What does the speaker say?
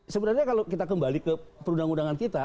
sebenarnya kalau kita kembali ke perundang undangan kita